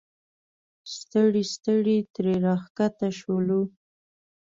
ستړي ستړي ترې راښکته شولو.